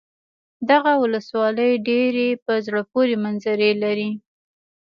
دغه ولسوالي ډېرې په زړه پورې منظرې لري.